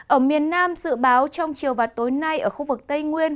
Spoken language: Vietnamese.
ở miền nam dự báo trong chiều và tối nay ở khu vực tây nguyên